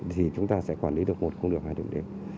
thì chúng ta sẽ quản lý được một không được hai đồng điểm